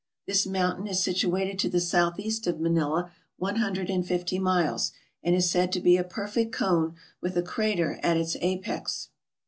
This mountain is situ ated to the south east of Manila one hundred and fifty miles, and is said to be a perfect cone, with a crater at its apex.